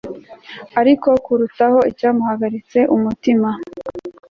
Ariko kurutaho icyamuhagaritsumutima